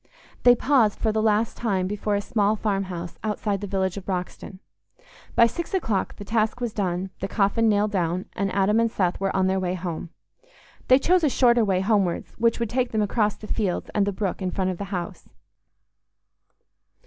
They paused for the last time before a small farmhouse outside the village of Broxton. By six o'clock the task was done, the coffin nailed down, and Adam and Seth were on their way home. They chose a shorter way homewards, which would take them across the fields and the brook in front of the house.